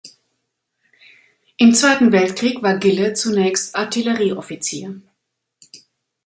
Im Zweiten Weltkrieg war Gille zunächst Artillerieoffizier.